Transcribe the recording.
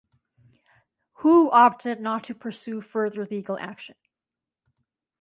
Hu opted not to pursue further legal action.